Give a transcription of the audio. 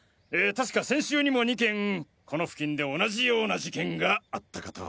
確か先週にも２件この付近で同じような事件があったかと。